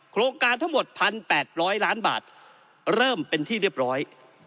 โครงการทั้งหมด๑๘๐๐ล้านบาทเริ่มเป็นที่เรียบร้อย